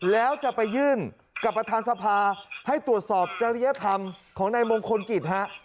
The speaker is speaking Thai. แล้วจะไปยื่นกับประธานสภาให้ตรวจสอบจริยธรรมของนายมงคลกิจฮะ